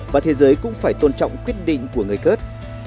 và thế giới cũng phải tôn trọng quyết định của người cơ khớt